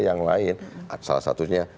yang lain salah satunya